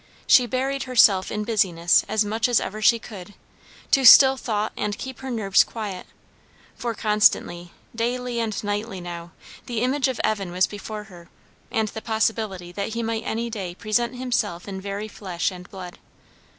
She buried herself in business as much as ever she could, to still thought and keep her nerves quiet; for constantly, daily and nightly now, the image of Evan was before her, and the possibility that he might any day present himself in very flesh and blood.